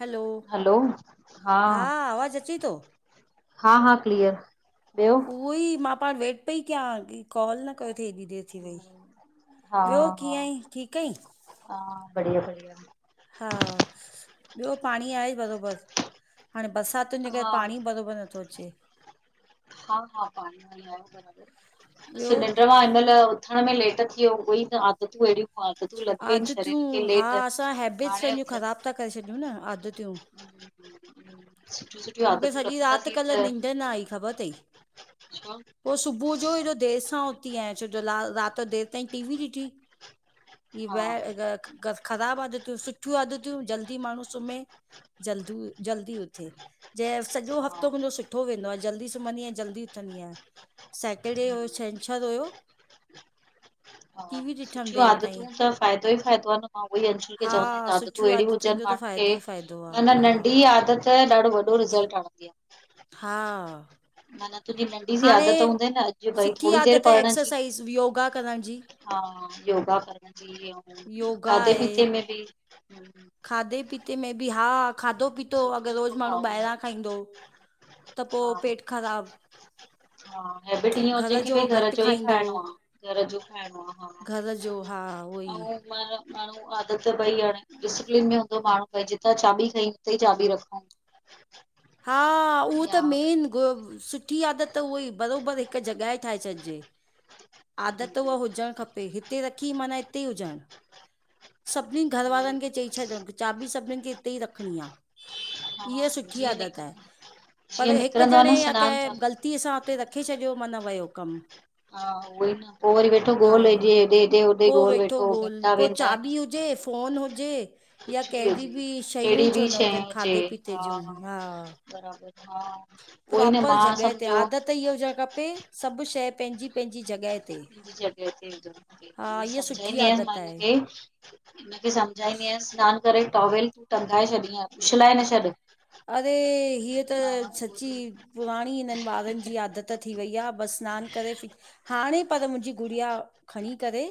Hello hello हा आवाज़ अचे थो हा हा क्लीअर ॿियो। उहो ई मां पाण वेट पेई कयां कि कॉल न कयो ती हेॾी देर। थी वई हा ॿियो हा कीअं हा आई ठीक आईं। हा बढ़िया बढ़िया। हा ॿियो पाणी आहे बरोबरि हाणे बरसाति। हुनजे करे पाणी बरोबरि नथो अचे। ह हा पाणी आहे बरोबर ॿियो सिलेडर मां ल उथण में लेट थी वियो उई त आदतूं अहिड़ियूं आदतूं लॻी वई आदतियूं शरीर खे हा लेट असां हैबिट्स हाणे पंहिंजूं ख़राब था करे छॾियूं न आदतियूं। [unintelligible] मूंखे सॼी राति रखंदासीं कल्ह त निंड न आई खबर तई। पो सुबुह जो हेॾो देरि सां उथी आहियां छो जो राति जो देरि ताईं टी वी ॾिठी। [unintelligible] हा खराबु आदितियूं सुठियूं आदतियूं जल्दी माण्हू सुम्हे जल्दी जल्दी उथे। जं सॼो हफ्तो मुंजो हा सुठो वेंदो आ जल्दी सुम्हंदी आयां जल्दी उथंदी आयां। सैटरडे हुयो छेंछर हुयो। हा टीवी ॾिठमि सुठियूं देरि ताईं आदतुनि सां फाइदो ई फाइदो आहे न मां उहई अंशल खे चवंदा हा आहियूं आदतूं तूं सुठियूं अहिड़ी आदतुनि हुजनि जो त माण्हुनि खे फ़ाइदो ई फ़ाइदो आहे माना हा नंढी आदत ॾाढो वॾो रिसल्ट आणंदी आ। हा, माना तुंजी नंढी सी हाणे आदत हूंदई न अॼु भई सुठी थोरी देरि आदत आहे पढ़ण जी। एक्सरसाइज़ योगा करण जी। हा योगा करण जी आऊं योगा खाधे आहे पीते में बि खाधे पीते में बि हा खाधो पीतो सुठो अगरि सुठो रोज माण्हू खाऊं ॿाहिरां खाईंदो त पो हा पेट खराबु हा हेबिट इअं हुजे की जो भई घर घटि जो ई खाईंदो खाइणो आ घर जो खाइणो आ। घर जो हा उहो ई मतब माण्हू आदत भई हाणे डिसप्लिन में हूंदो माण्हू भई जितां चाबी [unintelligible] ते ई चाबी रखूं हा उहो त या मेन ग सु की आदत उह ई बराबरि हिक जॻहि ठाहे छॾिजे। आदत हुहा हा हुजणु खपे हिते रखी माना हिते ई हुजण। सभिनी घर वारनि खे चई छॾियो चाॿी सभिनी खे इते ई रखणी आ। इहा सुठी जीअं आदत निक आ पर जीअं हिकु निकिरंदो आ जणे न या सनानु त कंहिं गल ती सां हुते रखे छॾियो माना वियो कम हा उहो ई न पोइ वरी वेठो गोल हेॾे हेॾे ॾे पोइ ॻोल वेठो ॻोल्ह पोइ वेंदा। आहिनि। चाॿी हुजे फोन हुजे या कुछ कहिड़ी हुजे बि कहिड़ी शयूंई बि छो न हुजनि खाधे पीते जूं हा। बराबर हा। उहोई न प्रोपर मां जॻह ते सम्झो आदत इअ हुजणु खपे सभ शइ पंहिंजी पंहिंजी जॻह ते। हा [unintelligible] इहा सुठी सम्झाईंदी आयसि मां आदत आहे हिनखे हिनखे सम्झाईंदी आयस [unintelligible] करे टॉवेल तूं टंगाए छॾीह उछलाए न छॾु। अरे हीअ त सची त पुराणी हिनन ॿारन जी आदत थी वई आहे बस। सनानु करे हाणे पर मुंहिंजी गुड़िया खणी करे।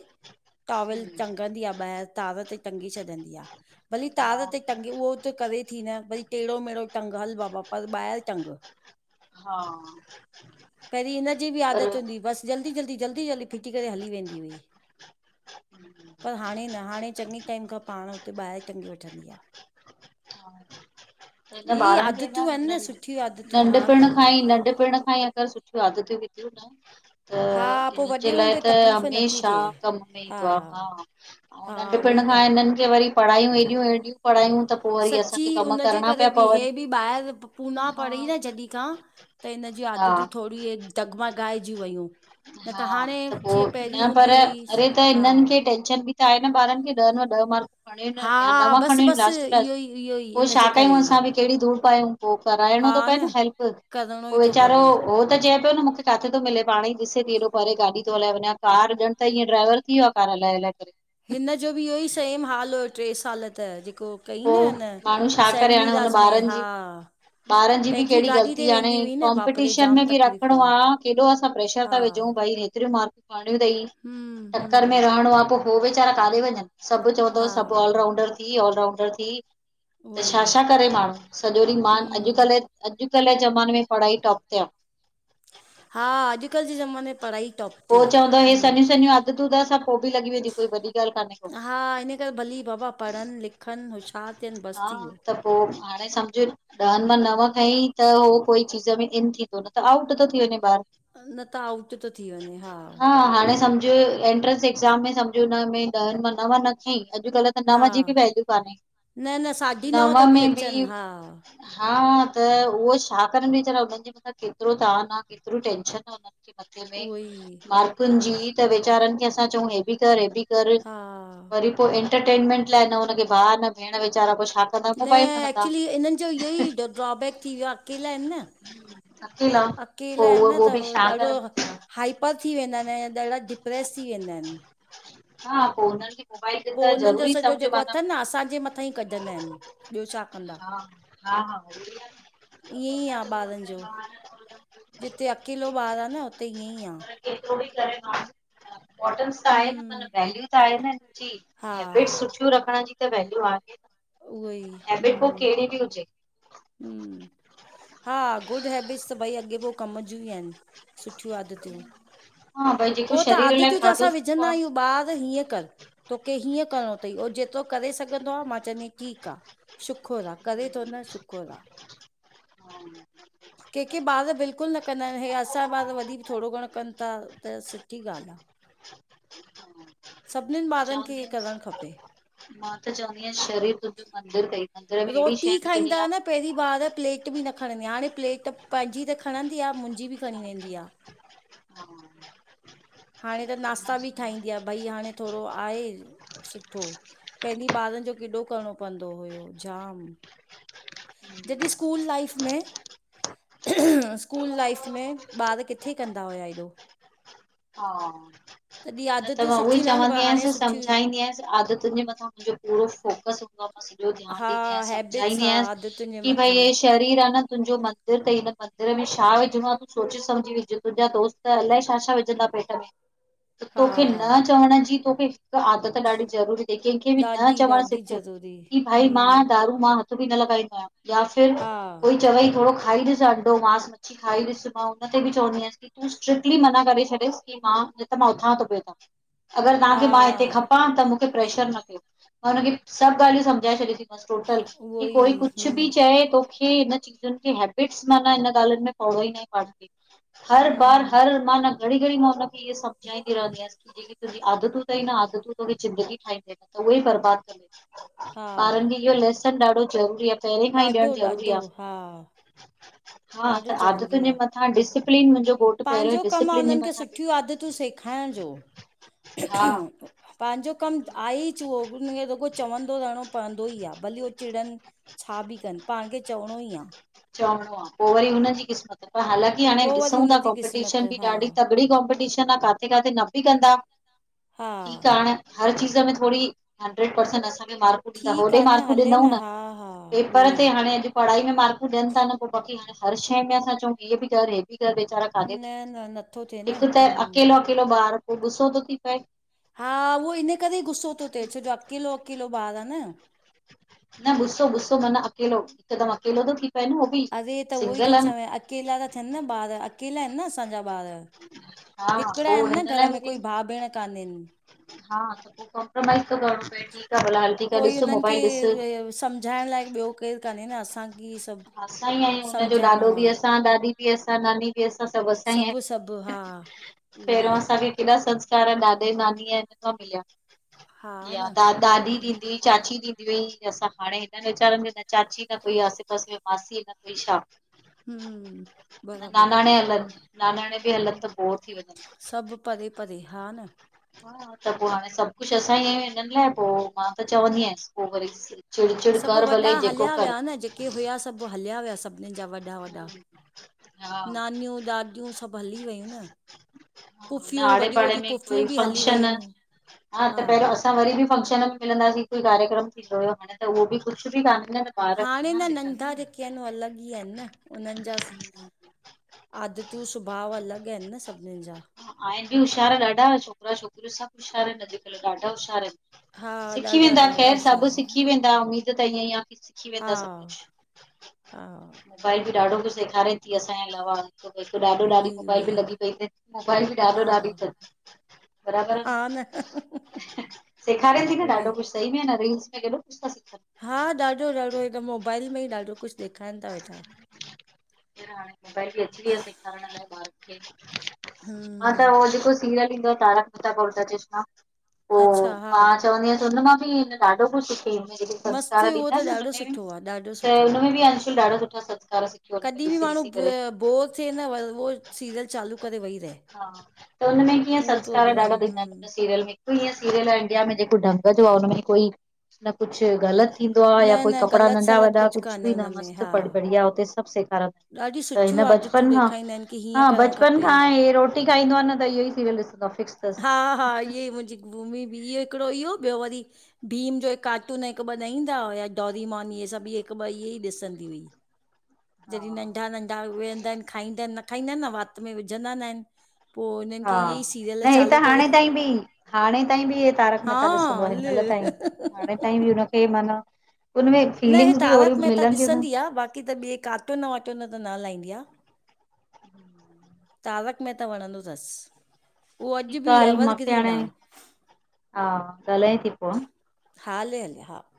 टावेल हम्म टंगंदी आहे ॿाहिर तार ते टंगी छॾंदी आहे भली हा तार ते। टंगे उहो त करे थी न वरी टेड़ो मेड़ो टंग हल बाबा पर ॿाहिर टंग - - हा - - पहिरीं इनजी बि आदत हूंदी हुई बसि जल्दी जल्दी जल्दी जल्दी फिटी करे हली वेंदी हुई। पर हाणे न हाणे चङे टाइम खां पाण उते ॿाहिर टँगी वठंदी आ। हा हिन इहे ई ॿारन खे न आदतियूं आहिनि सुठियूं नढ आदतियूं हा नंढपिण न खां ई नंढपिण खां ई - - सुठिय आदतूं विथियूं न। त हा पो हिननि जे वॾे लाइ हूंदे त तकलीफ़ नथी हमेशा थिए कम में ईंदो आहे हा। ऐं हा उहो नंढपण ई खां न इननि खे वरी पढ़ायूं हेॾियूं हेॾियूं पढ़ायूं त। पो वरी सची असांखे कम हुनजे। करणा करे पिया बि हे पवनि। बी ॿाहिर पूना हा। पढ़ी जॾहिं खां त हिन जीयूं हा आदतु। थोरी दगमा ॻाएजी वयूं। न हा हाणे त जीअं पोइ पहिरीं न पर हूंदी हुई अड़े त हा हिनन खे टेंशन बि - - आहे न ॿारन खे ॾहनि मां ॾह मार्क। खणिय हा या नवा बसि खणिय बसि लास्ट टू लास्ट इहो ई इहो ई पोइ इन छा जे करे कयूं ई असां बि कहिड़ी धूड़ पायूं। पोइ कराइणो थो पए न हेल्प। करणो ई थो पवे। उहो त चए पियो न मूंखे किथे थो मिले [unintelligible] ॾिसे थी एॾो परे गाॾी थो हलाए वञा कार ॼण त ईअं ड्राइवर थी वियो आहे कार हलाए हलाए करे। हिन जो बि इहो ई सेम हाल हुयो टे साल त जेको। कई न पोइ हिन माण्हू छा करे हाणे हुन सैनमीराज में ॿारन हा जी। ॿारन जी बि पंहिंजी कहिड़ी गाॾी ते गलती आहे वेंदी हाणे हुई न बाप रे कॉम्पिटीशन जाम में बि तकलीफ़ रखिणो आहे केॾो असां प्रेशर हा था विझूं भई त - - तिर मारकुं करणियूं अथई हम्म चक्कर में हम्म रहणो आहे पोइ हो वीचारा काॾे वञन। सभ चवंदो हा सभ ऑल राउंडर थी ऑल राउंडर थी। उहो त ई छा छा करे माण्हू सॼो ॾींहुं मां हम्म अॼुकल्ह। अॼुकल्ह जे ज़माने में पढ़ाई टॉप थि आ। हा अॼुकल्ह जे ज़माने पढ़ाई टॉप - - पो चवंदो हे सनयू सनयू आदतु असां पोइ बि लॻी वेंदी कोई वॾी ॻाल्हि कान्हे को। अगर भली बाबा पढ़न लिखन होश्यार - - हा त पोइ हाणे सम्झ - - ॾहनि मां नव खईं त हो कोई चीज में इन थींदो न त आउट थो थी वञे ॿार। न त आउट थो थी वञे हा। ह हाणे सम्झ - - एंट्रेंस एक्ज़ाम में सम्झो हुन में ॾहनि मां नव न खयईं अॼुकल्ह त हा नव जी बि वैल्यू कान्हे। न न साढी नव त बि अचन हा। हा त उहो छा करन वीचारा उनन जे मथां केतिरो तान आहे केतिरो टेंशन आहे हुन - उहो ई - मार्कुनी ॼी त वेचारनि खे असां चऊं हे ॿि कर हे ॿि हा वरी पो एंटरटेनमेंट लाय न हुनखे भा न भेण वीचारा पो छा कंदा न मोबाइल खणंदा एक्चुली इनन जो इहो ई ड्रॉबेक थी वियो आ अकेला आयन न। अकेला पो अकेला आयन उहो न उहो बि त छा ॾाढो करनि वेचारा। हाइपर थी वेंदा आयन ऐं ॾाढा डिप्रेस थी वेंदा आयन। हा पो उननि पो उनन ॼॼो सॼो जेको अथन न असांजे मथां ई कढंदा आयन ॿियो छा कंदा। हा हा हा त पो ईअं आ असां चऊं ॿारन ॼो असांजे ॿार जिते अकेलो ॿारु आ न हुते ईअं ई आ। पर केतिरो ॿि करे बारि इम्पोर्टेंस त आहे न। हम्म ॼी हा हेबिट सुठियूं रखण ॼी त वैल्यू आहे। उहो ई हेबिट पो केड़ी ॿि हुजे। हम हा गुड हेैबिट्स त भई अॻे पो कम जियूं ही आयन। सुठियूं आदतियूं हा भई जेको हू त शरीर लाइ आदतियूं त असां खाधो सुठो विझंदा आ आयूं ॿारि हीअं कन। तोखे हीअं करिणो थई उहो जेतिरो करे सघंदो आहे मां चवंदी ठीकु आ। शुखुर आ करे थो न शुखुर आ। के के ॿार बिल्कुल न कंदा आ हे असांजा ॿार वरी भी थोरो घणो कनि था। त सुठी ॻाल आ। सॿनिन ॿारिन चवंदी मां त चवंदी आया शरीर तुंहिंजो मंदरु थई। मंदिर में ऐड़ी शइ विझणी आ। त पैरीं ॿार प्लेट ॿि न खणंदी हाणे प्लेट पैंजी त खणंदी आ मुंजी ॿि खणी हा वेंदी आ। हा। हाणे त सुठो नास्ता ॿि ठाईदी आ भई हाणे थोरो आये। सुठो पैंरी ॿारन जो केॾो करणो पवंदो होयो जाम। जॾहिं स्कूल लाइफ में स्कूल लाइफ में ॿार किथे कंदा होया एॾो। हा तॾहिं न त आदतियूं मां उह ई सुठियूं न हुन पर चवंदी हाणे आयस सुठियूं सम्झाईंदी आयस आदतुन जे मथां मुंजो पूरो फोकस हूंदो आ। मा सॼो ध्यान हा ॾिंदी आया हैबिट्स समझाईंदी हा आयांस आदतुनि जे के भई मथां ही शए ही शरीरू आ न तुंजो मंदिर थई हिन मंदिर में छा विझणो आ दोस्त त अलाए छा छा विझंदा पेट में। त हा तोखे न चवण ॼी तोखे हिक आदत ॾाढी ज़रूरी कैंखे ॿि न ॾाढी चवण ॾाढी सिख ज़रूरी कि भाई मां हम्म दारू मां। हथु ॿि न लॻाईंदो आयां या फिर हा कोई चवई थोरो खाई ॾिस अंडो मांस। खाई ॾिस मां हुन ते ॿि चवंदी आयस कि तू स्ट्रिक्टली मना करे छॾेस कि मां न त मां उथां थो। अगर हा ताखें मां हिते खपां त प्रेशर न कयो मां हुनखे सॿ ॻालियूं समझाए छॾयुसि। बस टोटल उहो की ई कोई कुझ हम्म ॿि चए तो। ही हिन चीजुन खे हेबिट्स माना इन ॻालयूंन में पवणो ही न आहे पाण खे। हर बार हम्म हर माना घड़ी-घड़ी मां हुनखे ही सम्झाईंदी। रहंदी आहियास हे जेकी तुंजी आदतूं तई न आदतूं तोखे ज़िंदगी ठाहिंदई न त उए ही बर्बाद कंदइ। हा ॿारन खे इयो लेसन ॾाढो ज़रूरी आ। पेरें खां ही ॾेयण ॾाढो ज़रूरी ॾाढो आ हा हा ॾाढो त आदतुन ज़रूरी जे आहे मथां तां डिसिप्लिन मुंहिंजो। घोटु पहिरियों पंहिंजो कमु आहे डिसिप्लिन जे उन्हनि खे मथां सुठियूं आदतूं सेखारण जो। हा पंहिंजो कमु आहे ही चूहो हुन खे रूॻो चवंदो रहणो पवंदो ई आहे भलीे हू चिड़न। छा बि कन पाण खे चवणो ही आ। चवणो आहे पोइ वरी हुन जी क़िस्मत हालांकी। भई हाणे पोइ वरी ॾिसूं था हुनजी क़िस्मत कॉम्पिटीशन, बि हा ॾाढी तगड़ी कॉम्पिटीशन आ काथे -काथे न बि कंदा। हा। ठीकु आहे हाणे हर चीज़ में थोरी हंड्रेड परसेंट असांखे मार्क। त ठीकु होॾे आहे न मार्कूं हले ॾिनऊं न, हा हा उहो पेपर ई ते हाणे अड्। पढ़ाई में मार्कूं ॾियनि था न पोइ बाकी हाणे हर शइ में असां चऊं कि हीअ बि कर हे बि कर वेचारा। न न नथो थिए न हिक त हम्म अकेलो -अकेलो ॿारू पोइ ॿुस्सो तो थी पए। हा उहो इन करे ही ॿुस्सो तो थिए छो जो अकेलो- अकेलो ॿारु आहे न। न ॿुस्सो ॿुस्सो माना अकेलो हिकदम अकेलो तो थी पए न। बि अरे त उहो ई थी सिंगल आहे न चवाए अकेला त थियन न, ॿार अकेला आहिनि न, असांजा ॿार। हा हिकड़ा पोइ आहिनि न हिन घर लाइ में वरी कोई भाउ भेण कानेन। हा पोइ कॉम्प्रोमाइज़ थो करणो पए ठीक आ भला हल। ठीकु आहे कोई ॾिस हुन्हन खे मोबाइल ॾिस सम्झाइण लाइ ॿियो केरु काने न ही असांखे सभ- - असां ई आहियूं हुनजो ॾाॾो बि असां ॾाॾी बि असां नानी। असां सभु असां आहियूं, सभु हा उहो ई पहिरियों असां बि। ऐॾा संस्कार ॾाॾे नानी खां मिलिया, हा या न ॾाॾी उहो ई ॾींदी? चाची डीदी हुई असां हाणे हिनन वीचारनि में न चाची न कोई आसे पासे में। मासी न कोई छा हम्म न बराबरि नानाणे हलन। नानाणे बि हलन त बोर थी वञन। सभ परे परे हा न। हा त पोइ हाणे सभ कुछ असां ई आहियूं हिनन लाइ पोइ मां त चवंदी आयस पोइ वरी। चिड़ चिड़ सभु कर वॾा भले जेको हलिया कर विया न जेके हुआ सभ हलिया विया सभ। हिनन जा वॾा वॾा हा नानियूं दॾाॾियूं सभु हली वयूं न? न पुफियूं आड़े वॾियूं पाड़े वॾियूं में कोई पुफियूं बि हली फंक्शन वयूं हा हा त पहिरियों असां वरी बि फंक्शन। मिलंदासी कोई कार्यक्रम थींदो हुयो हाणे त उहो बि कुछ बि काने न। ॿार हाणे किथां न नंढा जेके आहिन उऐ अलग। ईअयान न उनन जा सिखनि आदतियूं, सुभाव अलग आहिन न सभिनन जा। आहिन बि हशियार ॾाढा छोकरा छोकिरियूं सभ होशियार अॼुकल्ह ॾाढा होशियार ईन। हा सिखी ॾाढा वेंदा, ॾाढा ख़ैर होशियार सभ आहिनि सिखी वेंदा, उम्मीद त ईअं आ। हा हा। मोबाइल बि ॾाढो कुझु सेखारे थी, असांजे अलावा। हिक ॾाढो, ॾाढी उहोई मोबाइल उहोई बि लॻी पई तन मोबाइल ॾाढो, हा ॾाढी तन। हा न? सेखारि थी न ॾाढो उहोई कुछ सही में आहे न रील्स में केॾो कुझु था सिखन। हा ॾाढो ॾाढो हिक मोबाइल में ई ॾाढो कुछ ॾेखारीनि था वेठां। हाणे मोबाइल बि अची वयी आ सेखारण लाइ ॿार खे। हा त हम्म उहो जेको सीरियल ईंदो आ, तारक मेहता का उल्टा चश्मा। पोइ अचछा, हा। मां चवंदी आहिसं हुन मां बि ॾाढो कुछ। में जेके [unintelligible] संस्कार मस्तु उहो ॾींदा त आहिनि ॾाढो हुनमें सुठो आहे ॾाढो त सुठो हुनमें बि अंशुल ॾाढा सुठा संस्कार सिंधियों कॾहिं बि माण्हू बोर थिए न व उहो सीरियल चालू करे वेही रहे। हा त हुनमें कीअं उहो संस्कार प्रोग्राम ॾाढा थीदां आहिन। हम्म सिरियल मेंं ईअं सरियअल इंडिया में जेको ढंग जो आहे हुन में कोई न कुझ ग़लत - - थींदो आहे न या कोई न कपिड़ा ग़लति नंढा सलत वॾा कुझु कुझ कान्हे बि हुन न में मस्तु - - हा या उते सभु सेखारिन ॾाढी त हिन सुठियूं आदतूं बचपन खां ॾेखारींदा आहिनि की हीअं हा करणु बचपन खपे खांई [unintelligible] रोटी खाईंदो आ न इहों ही सीरीयल ॾिसंदो फिक्स - - हा हा ईअं मुंहिंजी भूमी बि इहो हिकिड़ो इहो ॿियो वरी - - भीम जो हिक कार्टून हिकु ॿ न ईदां हुया डॉरीमॉन इहे सभ हिकु ॿ ईऐ ॾिसंदी हुई। [inaudible] जॾहिं हा नंढा नंढा वेहंदा आहिन खाईंदा न खाईदा आहिन वात में विझंदा न आहिन। पोइ उन्हीन हा खे ईऐं ही सीरियल न - - हे त हाणे ताईं बि हाणे ताईं बि - - तारक हा महता ॾिसंदो आहे हल हिन मल ताईं हाणे ताईं बि हुनखे माना - - न हे तारक मेहता थियूं न ॾिसंदी आहे बाक़ी त ॿिए कार्टून वाटून त न हलाईंदी आ। तारक मेहता वणंदो अथस उहो अॼु ठीकु बि आहे हल मांखे एवरग्रीन हाणे आ। हा ॻाल्ह थीई पोइ। हा हले हले हा - -